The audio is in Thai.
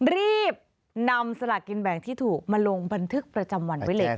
รีบนำสลากกินแบ่งที่ถูกมาลงบันทึกประจำวันไว้เลยค่ะ